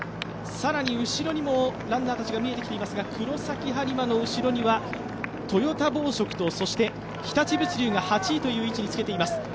更に後ろにもランナーたちが見えてきていますが、黒崎播磨の後ろにはトヨタ紡織とそして日立物流が８位という位置につけています。